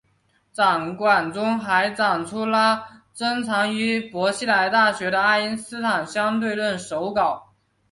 展馆中还展出了珍藏于希伯来大学的爱因斯坦相对论手稿。